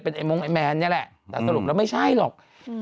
เป็นแมนอันยังไงแต่สรุปแล้วไม่ใช่หรอก